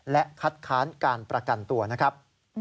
และคัดค้านการประกันตัวนะครับ